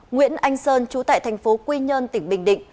nguyễn anh sơn trú tại thành phố quy nhơn tỉnh bình định